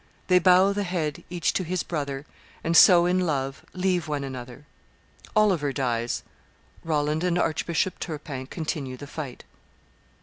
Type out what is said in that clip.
They bow the head, each to his brother, And so, in love, leave one another." (Oliver dies: Roland and Archbishop Turpin continue the fight.)